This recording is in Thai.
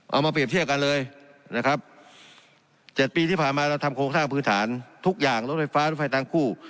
เอามาเปรียบเทียบกันเลยนะครับ๗ปีที่ผ่านมาเราทำโครงสร้างพื้นฐานทุกอย่างรถไฟฟ้ารถไฟทางคู่